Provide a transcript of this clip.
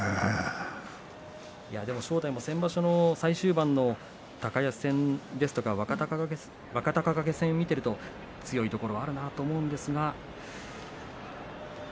正代も先場所の最終盤の高安戦、若隆景戦を見ていると強いところはあるなと思うんですが。